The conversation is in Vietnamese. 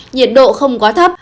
nhiệt độ không quá thấp